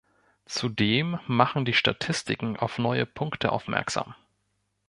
Zudem machen die Statistiken auf neue Punkte aufmerksam.